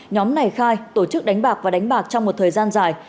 nhóm này khai tổ chức đánh bạc và đánh bạc trong một thời gian dài